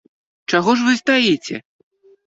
Чаго ж вы стаіце?